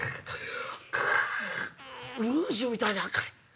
くぅルージュみたいに赤い。